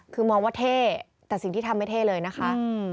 คือมองว่าเท่แต่สิ่งที่ทำไม่เท่เลยนะคะ